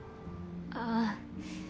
ああ。